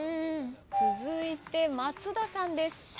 続いて松田さんです。